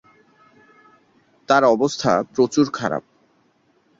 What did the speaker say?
তার অবস্থা প্রচুর খারাপ।